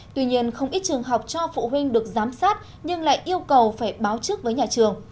tuy nhiên không ít trường học cho phụ huynh được giám sát nhưng lại yêu cầu phải báo trước với nhà trường